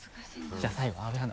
じゃあ最後阿部アナ。